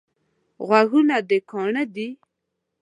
غوږونه دي کاڼه دي؟